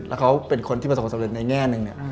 และเขาเป็นคนที่ประสงค์สำเร็จในแง่หนึ่ง